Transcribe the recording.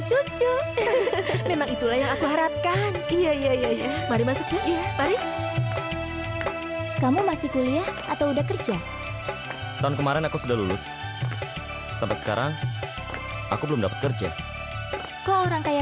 sampai jumpa di video selanjutnya